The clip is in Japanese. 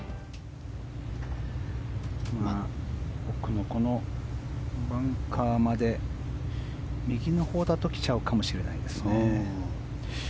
奥のこのバンカーまで右のほうだと来ちゃうかもしれないですね。